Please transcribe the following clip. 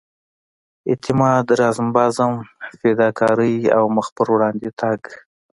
اعتماد رزم بزم فداکارۍ او مخ پر وړاندې تګ.